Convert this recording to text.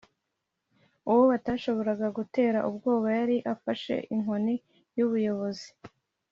uwo batashoboraga gutera ubwoba yari afashe inkoni y’ubuyobozi